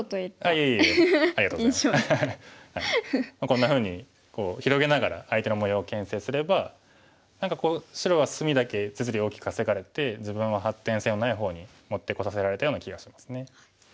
こんなふうにこう広げながら相手の模様をけん制すれば何か白は隅だけ実利を大きく稼がれて自分は発展性のない方に持ってこさせられたような気がしますね。